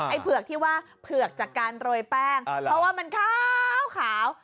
เผือกที่ว่าเผือกจากการโรยแป้งเพราะว่ามันขาว